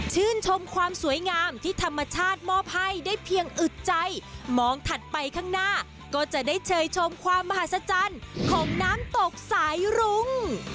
ชมความสวยงามที่ธรรมชาติมอบให้ได้เพียงอึดใจมองถัดไปข้างหน้าก็จะได้เชยชมความมหาศจรรย์ของน้ำตกสายรุ้ง